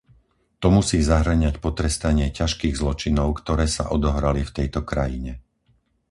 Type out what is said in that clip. To musí zahŕňať potrestanie ťažkých zločinov, ktoré sa odohrali v tejto krajine.